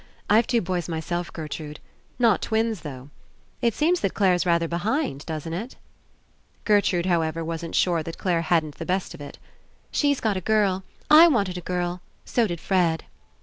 I've two boys myself, Gertrude. 58 ENCOUNTER Not twins, though. It seems that Clare's rather behind, doesn't It?" Gertrude, however, wasn't sure that Clare hadn't the best of It. "She's got a girl. I wanted a girl. So did Fred."